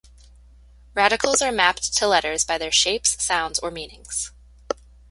Radicals are mapped to letters by their shapes, sounds or meanings.